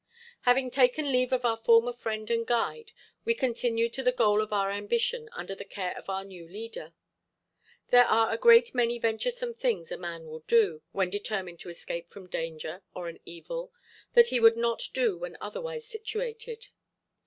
Having taken leave of our former friend and guide we continued to the goal of our ambition under the care of our new leader. There are a great many venturesome things a man will do, when determined to escape from danger or an evil, that he would not do when otherwise situated.